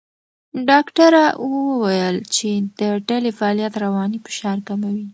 ډاکټره وویل چې د ډلې فعالیت رواني فشار کموي.